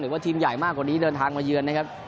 ว่าทีมใหญ่มากกว่านี้เดินทางมาเยือนนะครับ